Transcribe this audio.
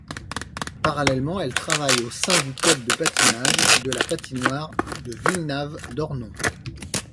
Parallèlement, elle travaille au sein du club de patinage de la patinoire de Villenave-d'Ornon.